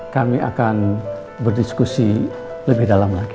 kami akan berdiskusi lebih dalam lagi